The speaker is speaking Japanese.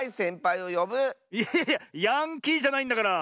いやいやいやヤンキーじゃないんだから！